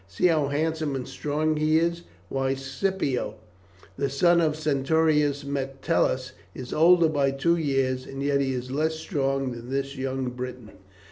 "See how handsome and strong he is; why, Scipio, the son of the centurion Metellus, is older by two years, and yet he is less strong than this young Briton."